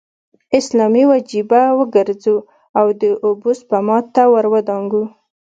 اسلامي وجیبه وګرځو او د اوبو سپما ته ور ودانګو.